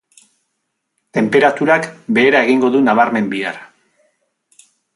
Tenperaturak behera egingo du nabarmen bihar.